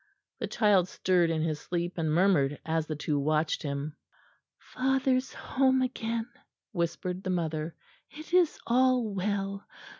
The child stirred in his sleep and murmured as the two watched him. "Father's home again," whispered the mother. "It is all well.